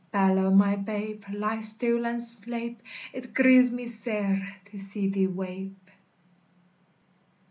_Balow, my 'babe, ly stil and sleipe! It grieves me sair to see thee weipe.